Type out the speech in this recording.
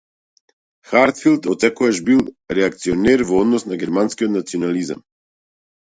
Хартфилд отсекогаш бил реакционер во однос на германскиот национализам.